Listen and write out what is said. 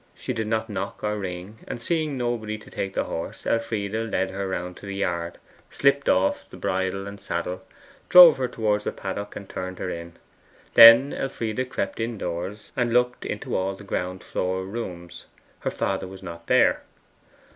She did not knock or ring; and seeing nobody to take the horse, Elfride led her round to the yard, slipped off the bridle and saddle, drove her towards the paddock, and turned her in. Then Elfride crept indoors, and looked into all the ground floor rooms. Her father was not there.